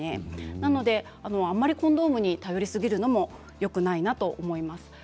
なのであまりコンドームに頼りすぎるのもよくないなと思います。